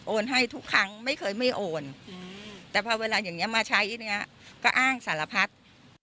ให้ทุกครั้งไม่เคยไม่โอนแต่พอเวลาอย่างนี้มาใช้เนี่ยก็อ้างสารพัด